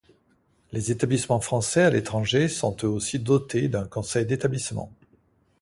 Les établissements français à l'étranger sont eux aussi dotés d'un conseil d'établissement.